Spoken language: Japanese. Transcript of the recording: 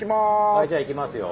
はいじゃあいきますよ。